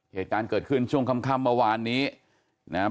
เหตุการณ์เกิดขึ้นช่วงค่ำเมื่อวานนี้นะครับ